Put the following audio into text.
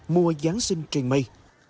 mùa giáng sinh trình mây